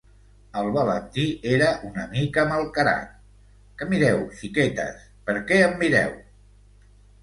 El Valentí era una mica malcarat, què mireu xiquetes, per què em mireu?